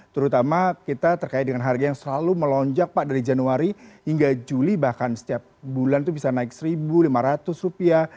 terutama kita terkait dengan harga yang selalu melonjak pak dari januari hingga juli bahkan setiap bulan itu bisa naik satu lima ratus rupiah